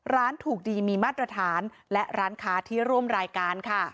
ร้านถูกดีมีมาตรฐานและร้านค้าที่ร่วมรายการค่ะ